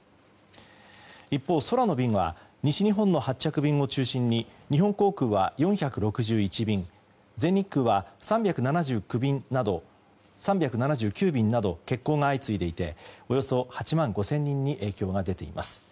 一方、空の便は西日本の発着便を中心に日本航空は４６１便全日空は３７９便など欠航が相次いでいておよそ８万５０００人に影響が出ています。